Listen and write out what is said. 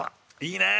いいねえ。